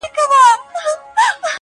رسنۍ راپورونه جوړوي او خلک پرې خبري کوي-